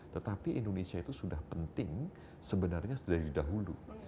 tetapi indonesia itu sudah penting sebenarnya dari dahulu